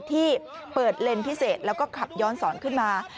ที่เปิดเลนส์พิเศษแล้วก็ขับย้อนสอนขึ้นมา